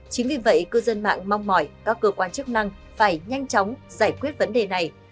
chính vì vậy cư dân mạng mong mỏi các cơ quan chức năng phải nhanh chóng giải quyết vấn đề này